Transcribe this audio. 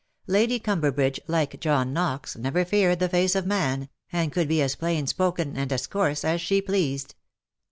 Lady Cumberbridge, like John Knox, never feared the face of man, and could be as plain spoken and as coarse as she pleased.